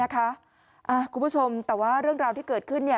คุณผู้ชมแต่ว่าเรื่องราวที่เกิดขึ้น